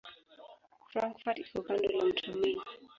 Frankfurt iko kando la mto Main.